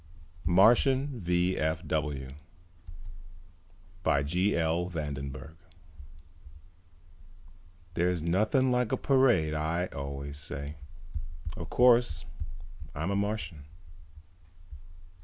net MARTIAN V. F. W. By G. L. VANDENBURG _There's nothing like a parade, I always say. Of course, I'm a Martian.